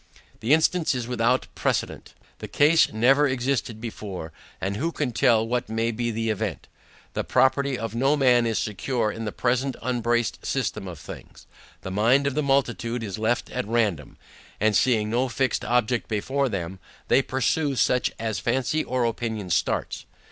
The instance is without a precedent; the case never existed before; and who can tell what may be the event? The property of no man is secure in the present unbraced system of things. The mind of the multitude is left at random, and seeing no fixed object before them, they pursue such as fancy or opinion starts.